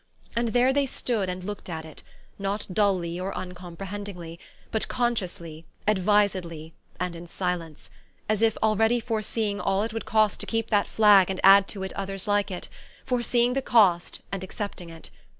And there they stood and looked at it, not dully or uncomprehendingly, but consciously, advisedly, and in silence; as if already foreseeing all it would cost to keep that flag and add to it others like it; forseeing the cost and accepting it.